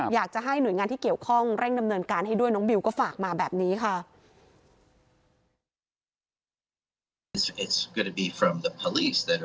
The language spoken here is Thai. อยากจะให้หน่วยงานที่เกี่ยวข้องเร่งดำเนินการให้ด้วยน้องบิวก็ฝากมาแบบนี้ค่ะ